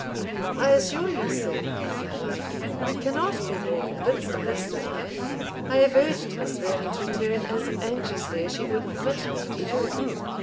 "I assure you, sir," I replied, "you cannot be more convinced of this than I; I have urged Miss Vernon's return as anxiously as she would permit me to do."